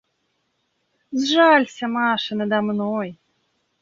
Сжалься, Маша, надо мной;